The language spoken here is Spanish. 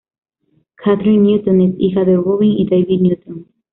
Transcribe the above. Kathryn Newton es hija de Robin y David Newton.